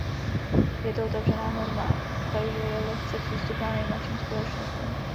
Je to otevřená norma, takže je lehce přístupná nejmenším společnostem.